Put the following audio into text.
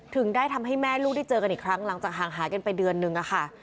ถึงได้ทำให้แม่ลูกได้เจอกันอีกครั้งหลังจากห่างหายกันไปเดือนนึงค่ะ